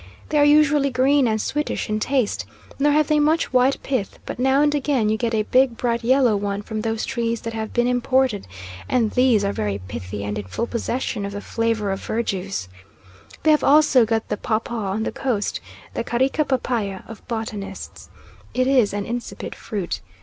They are usually green and sweetish in taste, nor have they much white pith, but now and again you get a big bright yellow one from those trees that have been imported, and these are very pithy and in full possession of the flavour of verjuice. They have also got the papaw on the Coast, the Carica papaya of botanists. It is an insipid fruit.